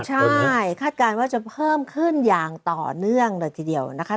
ใช่คาดการณ์ว่าจะเพิ่มขึ้นอย่างต่อเนื่องเลยทีเดียวนะคะ